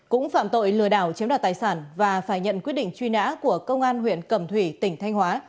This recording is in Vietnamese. cũng phạm tội lừa đảo chiếm đoạt tài sản và phải nhận quyết định truy nã của công an huyện cẩm thủy tỉnh thanh hóa